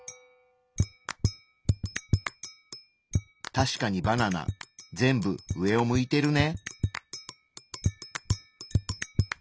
確かにバナナ全部上を向いてるね。